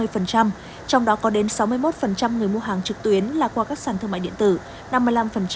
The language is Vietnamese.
trong đó có đến sáu mươi một người mua hàng trực tuyến là qua các sản thương mại điện tử